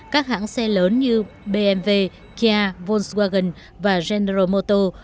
các hãng xe lớn như bmw kia volkswagen và general motors